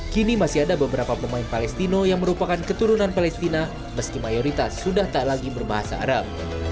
kini masih ada beberapa pemain palestina yang merupakan keturunan palestina meski mayoritas sudah tak lagi berbahasa arab